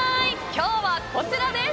今日はこちらです。